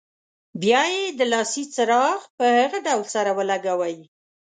بیا یې د لاسي چراغ په هغه ډول سره ولګوئ.